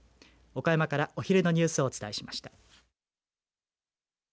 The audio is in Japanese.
岡山からお昼のニュースをお伝えしました。